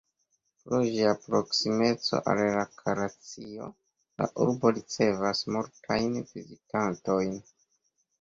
Pro ĝia proksimeco al Karaĉio, la urbo ricevas multajn vizitantojn.